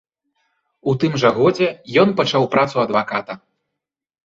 У тым жа годзе ён пачаў працу адваката.